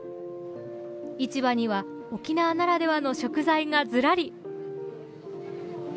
市場には沖縄ならではの食材がずらり。